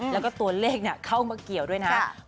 แล้วก็ตัวเลขเข้ามาเกี่ยวด้วยนะ